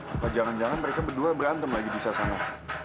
apa jangan jangan mereka berdua berantem lagi disana